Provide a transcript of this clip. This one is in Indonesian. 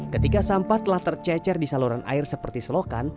ketika sampah telah tercecer di saluran air seperti selokan